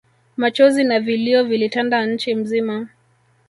Machozi na vilio vilitanda nchi mzima